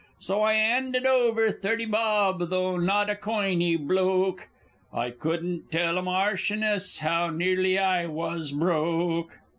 So I 'anded over thirty bob, though not a coiny bloke. I couldn't tell a Marchioness how nearly I was broke!